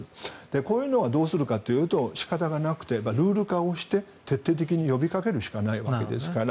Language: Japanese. こういうのをどうするかというと仕方がなくてルール化をして、徹底的に呼びかけるしかないですから。